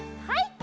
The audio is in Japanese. はい。